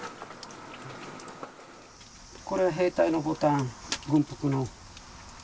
これは兵隊のボタン、軍服の。